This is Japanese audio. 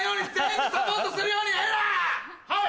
はい！